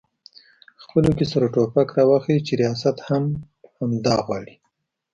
خپلو کې سره ټوپک راواخلي چې ریاست هم همدا غواړي؟